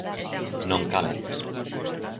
Non cala.